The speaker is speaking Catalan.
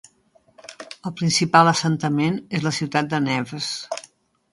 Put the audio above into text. El principal assentament és la ciutat de Neves.